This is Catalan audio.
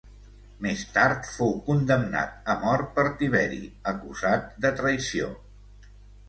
Més tard fou condemnat a mort per Tiberi acusat de traïció.